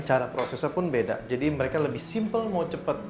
cara prosesnya pun beda jadi mereka lebih simple mau cepat